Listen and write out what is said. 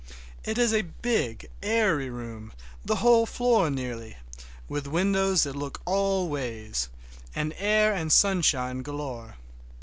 It is a big, airy room, the whole floor nearly, with windows that look all ways, and air and sunshine galore.